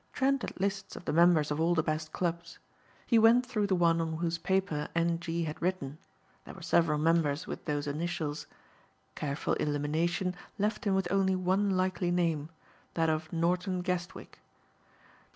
Trent had lists of the members of all the best clubs. He went through the one on whose paper N.G. had written. There were several members with those initials. Careful elimination left him with only one likely name, that of Norton Guestwick.